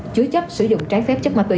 chứa chấp sử dụng trái phép chất ma túy